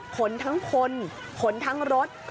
ขนทั้งคนขนทั้งรถ